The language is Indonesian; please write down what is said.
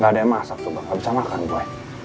gak ada yang masak juga gak bisa makan gue